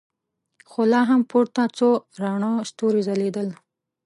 خو لا هم پورته څو راڼه ستورې ځلېدل.